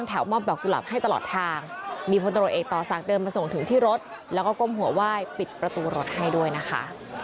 ฝากบอกอะไรกับประชาชนไหมคะท่านคะ